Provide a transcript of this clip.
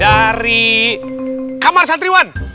dari kamar santriwan